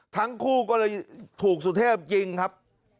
ทั้งคู่ก็เลยถูกสุเทพยิงครับ